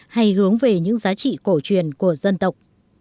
hay hướng về những giá trị cổ truyền của dân tộc